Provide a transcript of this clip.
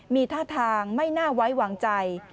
มีท่าทางไม่น่าไว้วางใจ